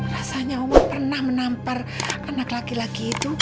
rasanya allah pernah menampar anak laki laki itu